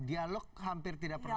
dialog hampir tidak pernah